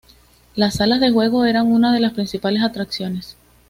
Las salas de juego eran una de las principales atracciones.